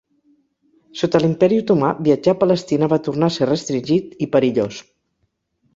Sota l'Imperi Otomà viatjar a Palestina va tornar a ser restringit i perillós.